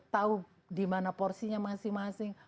tahu di mana porsinya masing masing